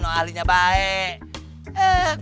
kalo ahlinya baik